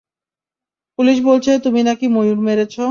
Police বলছে তুমি না-কি ময়ূর মেরেছ।